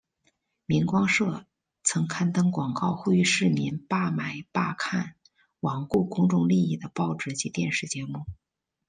明光社曾刊登广告呼吁市民罢买罢看罔顾公众利益的报纸及电视节目。